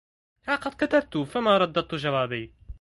ها قد كتبت فما رددت جوابي